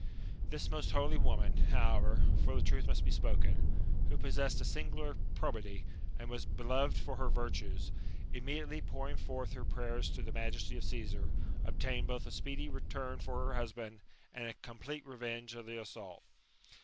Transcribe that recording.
This most holy woman, however, (for the truth must be spoken), who possessed a singular {Probity, and was beloved for her virtues, immediately pouring forth her prayers to the majesty of Csesar, obtained both a speedy return for her husband, and a l^omplete revenge of the assault.